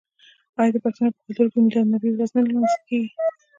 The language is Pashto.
آیا د پښتنو په کلتور کې د میلاد النبي ورځ نه لمانځل کیږي؟